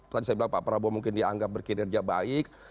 tadi saya bilang pak prabowo mungkin dianggap berkinerja baik